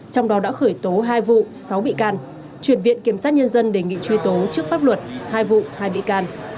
trong đó đã khởi tố hai vụ sáu bị can chuyển viện kiểm sát nhân dân đề nghị truy tố trước pháp luật hai vụ hai bị can